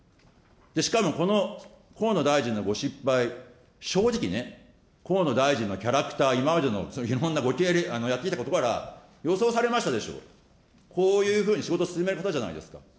しかもこの河野大臣のご失敗、正直ね、河野大臣のキャラクター、今までのいろんなやってきたことから予想されましたでしょ、こういうふうに仕事を進める方じゃないですか。